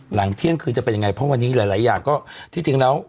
หลังเที่ยงคืนจะเป็นยังไงเพราะวันนี้หลายอย่างก็ที่จริงแล้ว